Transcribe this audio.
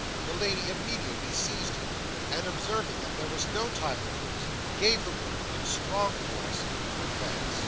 The lady immediately seized him, and, observing that there was no time to lose, gave the word, in a strong voice, to advance.